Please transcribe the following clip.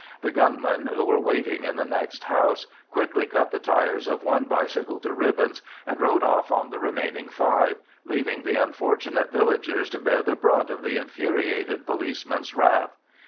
The gunmen, who were waiting in the next house, quickly cut the tyres of one bicycle to ribbons, and rode off on the remaining five, leaving the unfortunate villagers to bear the brunt of the infuriated policemen's wrath.